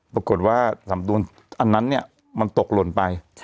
ปรากฏว่าสำนวนอันนั้นเนี่ยมันตกหล่นไป